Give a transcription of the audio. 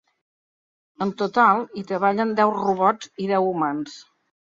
En total, hi treballen deu robots i deu humans.